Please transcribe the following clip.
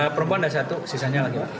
perempuan ada satu sisanya laki laki